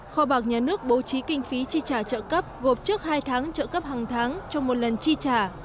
kho bạc nhà nước bố trí kinh phí chi trả trợ cấp gộp trước hai tháng trợ cấp hàng tháng trong một lần chi trả